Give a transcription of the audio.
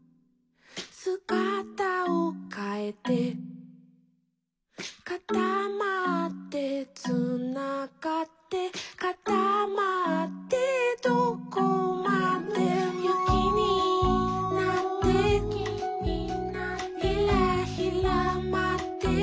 「すがたをかえて」「かたまってつながって」「かたまってどこまでも」「ゆきになって」